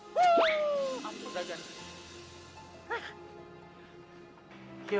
ampar rusak berat